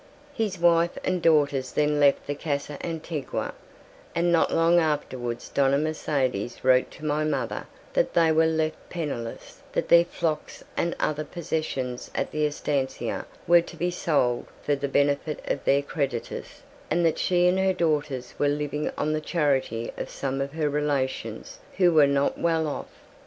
His wife and daughters then left the Casa Antigua, and not long afterwards Dona Mercedes wrote to my mother that they were left penniless; that their flocks and other possessions at the estancia were to be sold for the benefit of their creditors, and that she and her daughters were living on the charity of some of her relations who were not well off.